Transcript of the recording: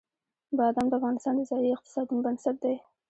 بادام د افغانستان د ځایي اقتصادونو بنسټ دی.